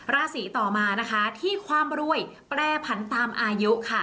ราศีต่อมานะคะที่ความรวยแปรผันตามอายุค่ะ